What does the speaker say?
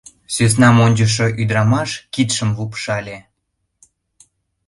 — сӧснам ончышо ӱдырамаш кидшым лупшале.